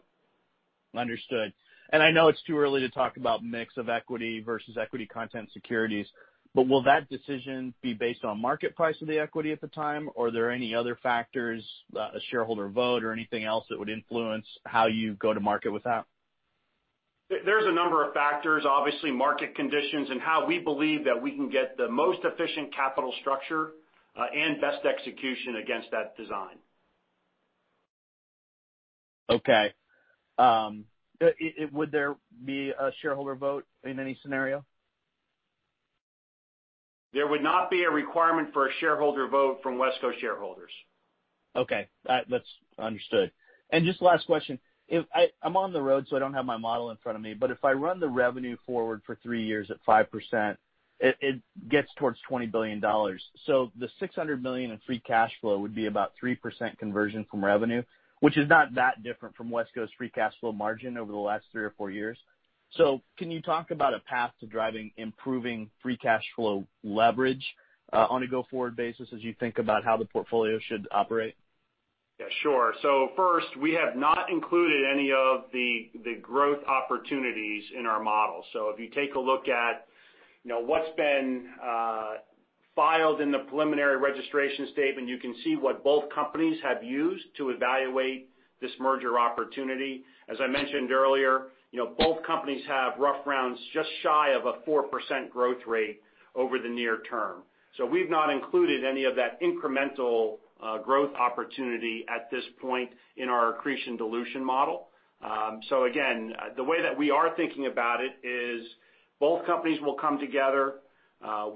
Understood. I know it's too early to talk about mix of equity versus equity content securities, but will that decision be based on market price of the equity at the time? Are there any other factors, a shareholder vote or anything else that would influence how you go to market with that? There's a number of factors, obviously, market conditions and how we believe that we can get the most efficient capital structure, and best execution against that design. Okay. Would there be a shareholder vote in any scenario? There would not be a requirement for a shareholder vote from WESCO shareholders. Okay. That's understood. Just last question. I'm on the road, so I don't have my model in front of me, but if I run the revenue forward for three years at 5%, it gets towards $20 billion. The $600 million in free cash flow would be about 3% conversion from revenue, which is not that different from WESCO's free cash flow margin over the last three or four years. Can you talk about a path to driving improving free cash flow leverage, on a go-forward basis as you think about how the portfolio should operate? Yeah, sure. First, we have not included any of the growth opportunities in our model. If you take a look at what's been filed in the preliminary registration statement, you can see what both companies have used to evaluate this merger opportunity. As I mentioned earlier, both companies have rough rounds just shy of a 4% growth rate over the near term. We've not included any of that incremental growth opportunity at this point in our accretion dilution model. Again, the way that we are thinking about it is both companies will come together.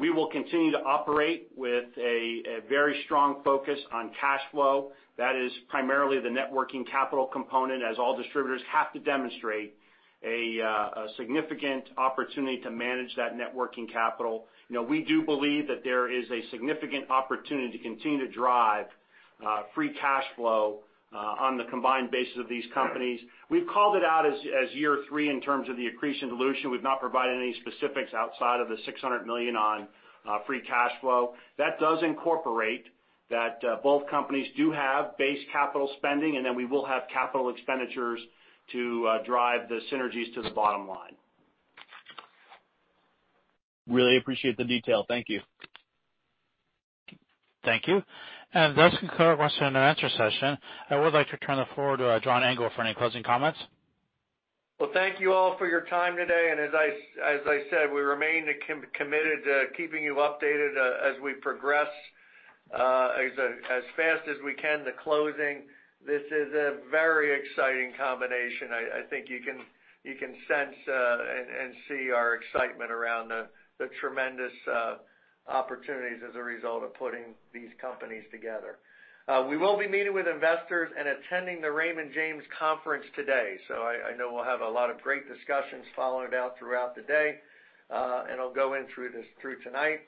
We will continue to operate with a very strong focus on cash flow. That is primarily the networking capital component, as all distributors have to demonstrate a significant opportunity to manage that networking capital. We do believe that there is a significant opportunity to continue to drive free cash flow on the combined basis of these companies. We've called it out as year three in terms of the accretion dilution. We've not provided any specifics outside of the $600 million on free cash flow. That does incorporate that both companies do have base capital spending, and then we will have capital expenditures to drive the synergies to the bottom line. Really appreciate the detail. Thank you. Thank you. Does conclude our question and answer session. I would like to turn the floor to John Engel for any closing comments. Well, thank you all for your time today. As I said, we remain committed to keeping you updated as we progress as fast as we can to closing. This is a very exciting combination. I think you can sense and see our excitement around the tremendous opportunities as a result of putting these companies together. We will be meeting with investors and attending the Raymond James Conference today. I know we'll have a lot of great discussions following it out throughout the day, and it'll go in through tonight.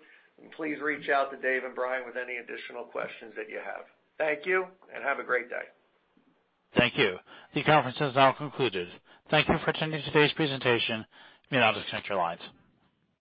Please reach out to Dave and Brian with any additional questions that you have. Thank you and have a great day. Thank you. The conference has now concluded. Thank you for attending today's presentation. You may now disconnect your lines.